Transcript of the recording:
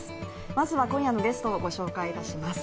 まずは今夜のゲストをご紹介いたします。